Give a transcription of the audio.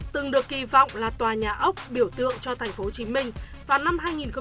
từng được kỳ vọng là tòa nhà ốc biểu tượng cho tp hcm vào năm hai nghìn chín